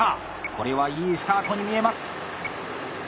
これはいいスタートに見えます。